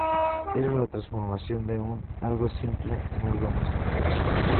Era la transformación de un algo simple en algo más complejo